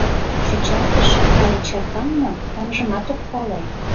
Чӱчалтышым але чаркам мо, тамжымат ок пале.